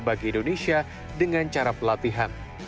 bagi indonesia dengan cara pelatihan